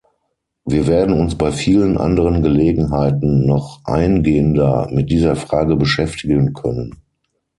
Wir werden uns bei vielen anderen Gelegenheiten noch eingehender mit dieser Frage beschäftigen können.